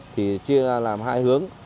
thì chia ra làm hai hướng